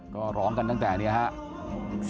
ก็ร้องกันตั้งแต่นี้ครับ